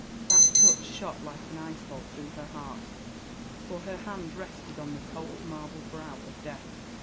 That touch shot like an ice* bolt through her heart, for her hand rested on the cold marble brow of death.